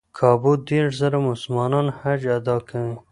کابو دېرش زره مسلمانان حج ادا کوي.